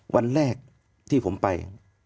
วันแรกที่ผมไป